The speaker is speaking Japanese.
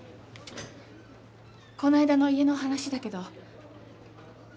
この間の家の話だけど。